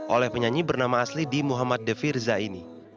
oleh penyanyi bernama asli di muhammad the firza ini